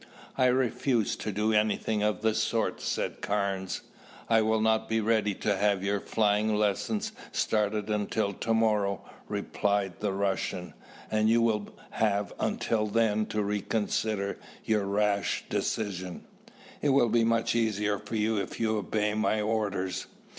"I refuse to do anything of the sort!" said Carnes. "I will not be ready to have your flying lessons started until to morrow," replied the Russian, "and you will have until then to reconsider your rash decision. It will be much easier for you if you obey my orders.